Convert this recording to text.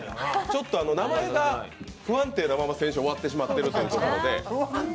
ちょっと名前が不安定なまま先週終わってしまったので。